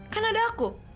kan ada aku